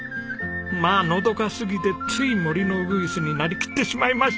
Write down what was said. まあのどかすぎてつい森のウグイスになりきってしまいました。